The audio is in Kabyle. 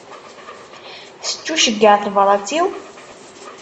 Tettuceyyeɛ tebrat-iw?